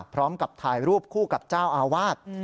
พร้อมกับถ่ายรูปคู่กับเจ้าอาวาส